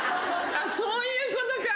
そういうことか。